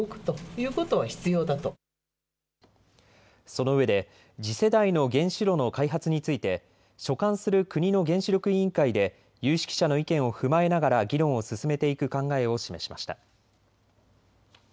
そのうえで次世代の原子炉の開発について所管する国の原子力委員会で有識者の意見を踏まえながら議論を進めていく考えを示しました。